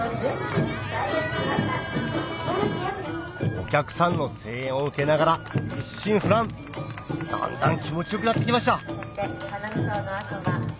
お客さんの声援を受けながら一心不乱だんだん気持ち良くなってきました